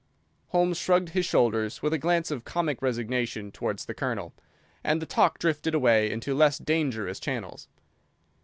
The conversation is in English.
Holmes shrugged his shoulders with a glance of comic resignation towards the Colonel, and the talk drifted away into less dangerous channels.